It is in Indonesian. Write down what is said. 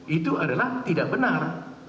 itu adalah tidak benar